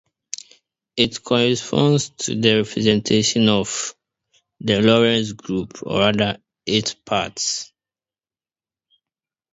It corresponds to the representation of the Lorentz group, or rather, its part.